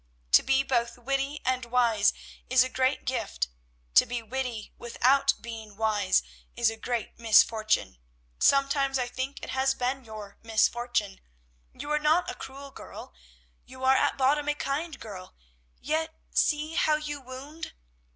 To be both witty and wise is a great gift; to be witty without being wise is a great misfortune; sometimes I think it has been your misfortune. You are not a cruel girl. You are at bottom a kind girl; yet see how you wound!